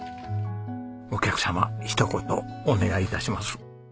お客様ひと言お願い致します！